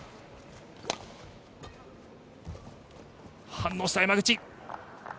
反応した、山口。